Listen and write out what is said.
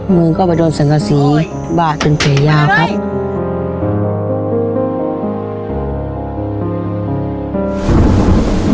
มึงก็ไปโดนสังศักดิ์ศรีบาทชิงแผงยากครับ